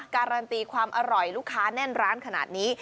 การันตีความอร่อยลูกค้าแน่นร้านขนาดนี้